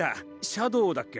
シャドウだっけ？